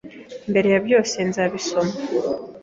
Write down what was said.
Mbere ya byose, nzabisoma.